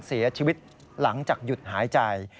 เสียชีวิตหลังจากหยุดหายใจ